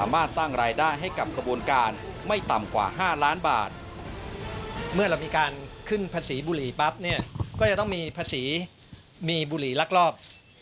มีบุหรี่ลักลอบหนีภาษีเข้ามาทันทีนะครับ